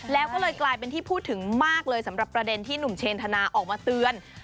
แล้วก็เลยกลายเป็นที่พูดถึงมากเลยสำหรับประเด็นที่หนุ่มเชนธนาออกมาเตือน